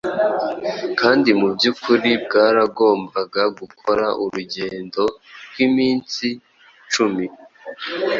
kandi mu by’ukuri bwaragombaga gukora urugendo rw’iminsi cumi